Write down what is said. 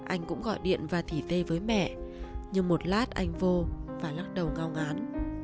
anh cũng gọi điện và thỉ tê với mẹ nhưng một lát anh vô và lắc đầu ngao ngán